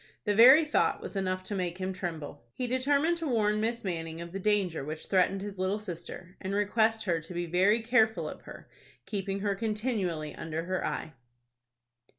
The very thought was enough to make him tremble. He determined to warn Miss Manning of the danger which threatened his little sister, and request her to be very careful of her, keeping her continually under her eye.